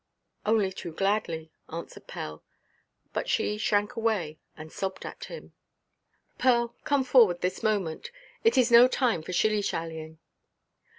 "Only too gladly," answered Pell; but she shrank away, and sobbed at him. "Pearl, come forward this moment. It is no time for shilly–shallying."